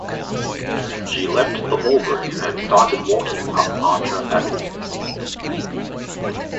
She left the ballroom and started walking up Archer Avenue.